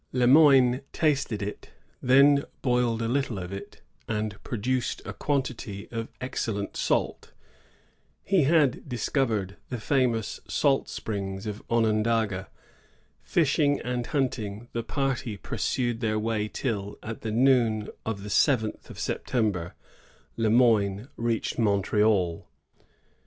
Le Moyne tasted it, then boiled a little of it, and produced a quantity of excellent salt. He had dis 68 THE JESUITS AT ONONDAGA. [1654 65. covered the famous salt springs of Onondaga. Fish ing and hunting, the party pursued their way till, at noon of the seventh of September, Le Moyne reached Montreal.